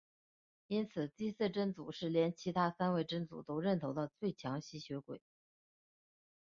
因此第四真祖是连其他三位真祖都认同的最强吸血鬼。